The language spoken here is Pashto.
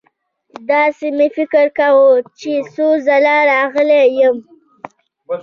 داسې مې فکر کاوه چې څو ځله راغلی یم.